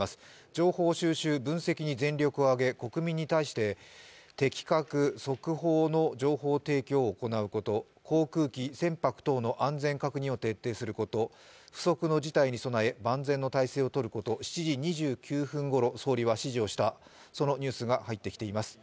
情報収集・分析に全力を挙げ国民に対して的確、速報の情報提供を行うこと、航空機、船舶等の安全確認を徹底すること、不測の事態に備え万全の体制をとること７時２９分ごろ総理は指示をしたそのニュースが入ってきています。